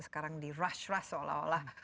sekarang dirush rush seolah olah